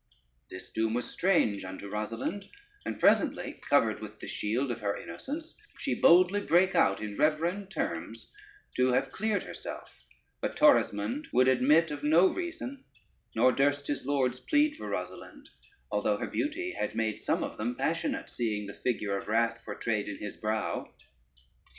This doom was strange unto Rosalynde, and presently, covered with the shield of her innocence, she boldly brake out in reverent terms to have cleared herself; but Torismond would admit of no reason, nor durst his lords plead for Rosalynde, although her beauty had made some of them passionate, seeing the figure of wrath portrayed in his brow.